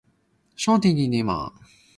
打開你嘅後門